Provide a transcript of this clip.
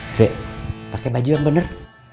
sire pakai baju yang bener